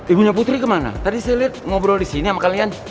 ibunya putri kemana tadi saya lihat ngobrol di sini sama kalian